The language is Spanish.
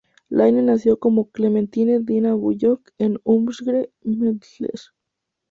Laine nació como Clementine Dinah Bullock en Uxbridge, Middlesex.